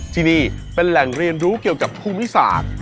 ที่นี่เป็นแหล่งเรียนรู้เกี่ยวกับภูมิศาสตร์